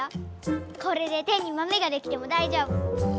これで手にマメができてもだいじょうぶ。